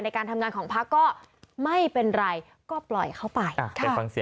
ในการทำงานของภรรก็ไม่เป็นอะไรก็ปล่อยเข้าไป